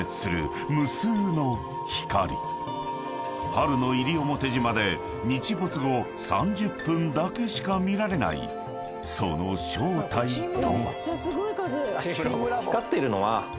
［春の西表島で日没後３０分だけしか見られないその正体とは］